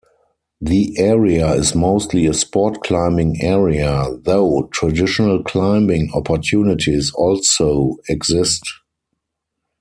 The area is mostly a sport climbing area, though traditional climbing opportunities also exist.